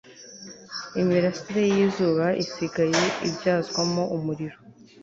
Imirasire yizuba isigaye ibyazwamo umuriro